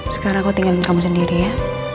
sekarang aku tinggalin kamu sendiri ya